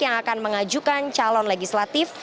yang akan mengajukan calon legislatif